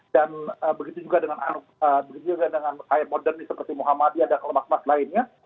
dan begitu juga dengan air modern seperti muhammadiyah dan kelompok kelompok lainnya